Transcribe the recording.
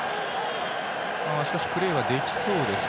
しかしプレーはできそうです。